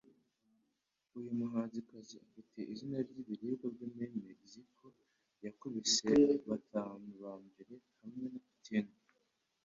uyu muhanzikazi ufite izina ry’ibiribwa byo muri Mexico yakubise batanu ba mbere hamwe na Puttin